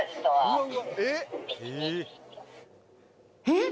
えっ！？